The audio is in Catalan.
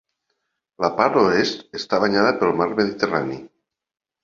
La part oest està banyada pel Mar Mediterrani.